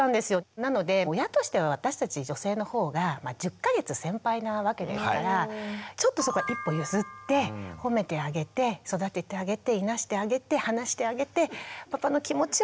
なので親としては私たち女性のほうが１０か月先輩なわけですからちょっとそこは一歩譲って褒めてあげて育ててあげていなしてあげて話してあげてパパの気持ちを育ててあげる。